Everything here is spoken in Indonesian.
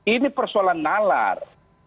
ini persoalan nalar